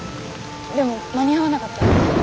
でも間に合わなかったら。